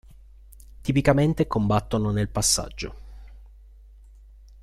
Tipicamente combattono nel Passaggio.